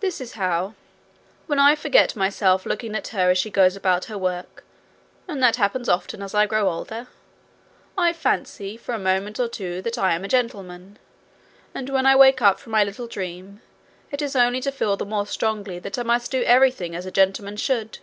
This is how: when I forget myself looking at her as she goes about her work and that happens often as I grow older I fancy for a moment or two that I am a gentleman; and when I wake up from my little dream, it is only to feel the more strongly that I must do everything as a gentleman should.